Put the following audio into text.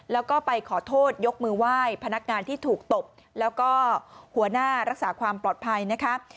แล้วก็ไปขอโทษยกมือไหว้พนักงานที่ถูกตบแล้วก็หัวหน้ารักษาความปลอดภัยนะคะ